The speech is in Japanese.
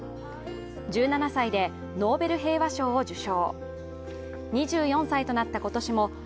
１７歳でノーベル平和賞を受賞。